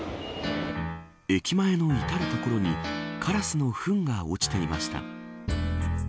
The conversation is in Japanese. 駅前の至る所にカラスのふんが落ちていました。